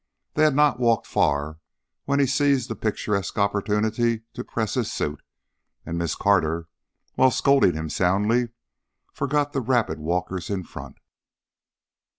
They had not walked far when he seized the picturesque opportunity to press his suit, and Miss Carter, while scolding him soundly, forgot the rapid walkers in front.